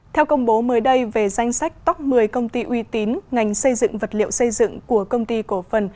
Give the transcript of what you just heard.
theo công bố mới đây về danh sách top một mươi công ty uy tín ngành xây dựng vật liệu xây dựng của công ty cổ phần